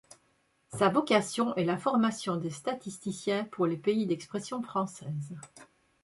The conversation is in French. Sa vocation est la formation des statisticiens pour les pays d’expression française.